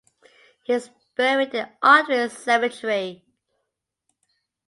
He is buried in Ardwick Cemetery.